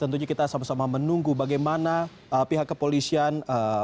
tentunya kita sama sama menunggu bagaimana pihak kepolisian